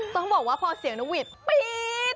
ต้องบอกว่าพอเสียงนกหวีดปี๊ด